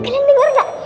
kalian denger nggak